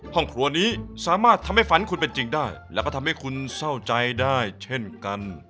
ห้องครัวนี้สามารถทำให้ฝันคุณเป็นจริงได้แล้วก็ทำให้คุณเศร้าใจได้เช่นกัน